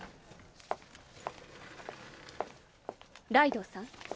ライドウさん。